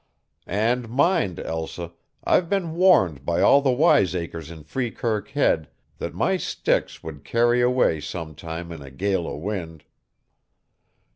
"And mind, Elsa, I'd been warned by all the wiseacres in Freekirk Head that my sticks would carry away sometime in a gale o' wind.